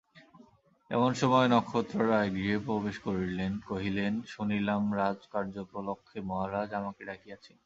এমন সময় নক্ষত্ররায় গৃহে প্রবেশ করিলেন–কহিলেন, শুনিলাম রাজকার্যোপলক্ষে মহারাজ আমাকে ডাকিয়াছেন।